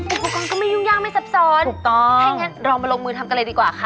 ก็ไม่ยุ่งยากไม่ซับซ้อนถูกต้องถ้าอย่างนั้นเรามาลงมือทำกันเลยดีกว่าค่ะ